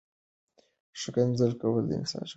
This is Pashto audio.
ښکنځل کول د انسان شخصیت خرابوي.